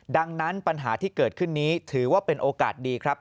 ดังนั้นปัญหาที่เกิดขึ้นนี้ถือว่าเป็นโอกาสดีครับ